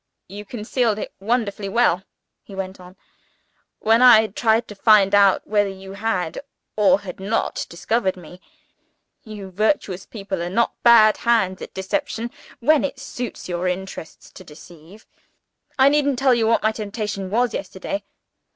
"You concealed it wonderfully well," he went on, "when I tried to find out whether you had, or had not discovered me. You virtuous people are not bad hands at deception, when it suits your interests to deceive. I needn't tell you what my temptation was yesterday.